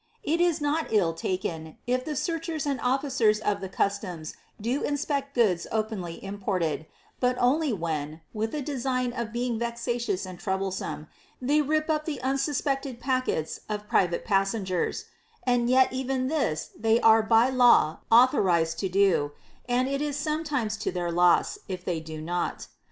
It is not ill taken, if the searchers and officers of the customs do inspect goods openly imported, but only when, with a design of being vexatious and troublesome, they rip up the unsuspected packets of private passengers ; and yet even this they are by law authorized to do, and it is sometimes to their loss, if they do not.